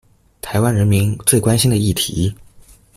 臺灣人民最關心的議題